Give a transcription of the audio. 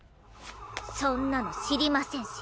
そんなの知りませんし。